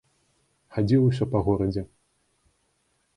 Хадзіў усё па горадзе.